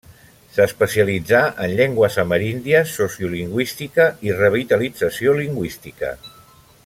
S'especialitzà en llengües ameríndies, sociolingüística, i revitalització lingüística.